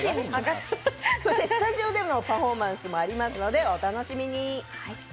そしてスタジオでのパフォーマンスもありますのでお楽しみに。